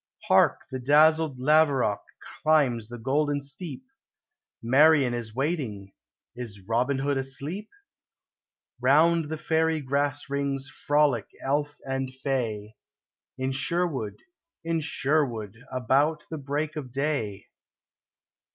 Hark ! The dazzled laverock climbs the golden steep ; Marian is waiting: is Robin Hood asleep? Round the fairy grass rings frolic elf and fay, In Sherwood, in Sherwood, about the break of clay.